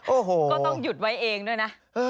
โอ้โหก็ต้องหยุดไว้เองนะครับ